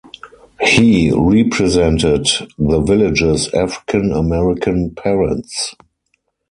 He represented the village's African-American parents.